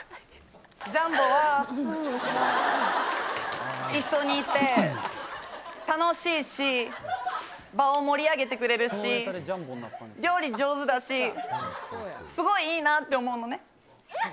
ジャンボは一緒にいて楽しいし場を盛り上げてくれるし料理上手だしすごいいいなって思うのね。